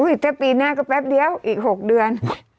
อุ๊ยแต่ปีหน้าก็แป๊บเดียวอีก๖เดือน